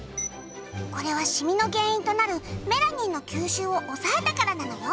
これはシミの原因となるメラニンの吸収を抑えたからなのよ。